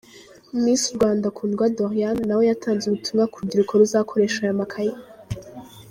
Miss Rwanda Kundwa Doriane nawe yatanze ubutumwa ku rubyiruko ruzakoresha aya makaye.